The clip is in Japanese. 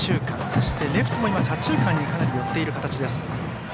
そしてレフトも左中間にかなり寄っている形です。